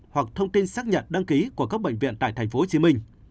hoặc thông tin xác nhận đăng ký của các bệnh viện tại tp hcm